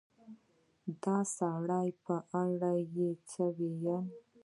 د سړي په اړه يې څه وويل